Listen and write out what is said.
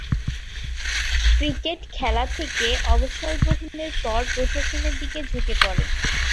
Cricket খেলা থেকে থেকে অবসর গ্রহণের পর প্রশাসনের দিকে ঝুঁকে পড়েন।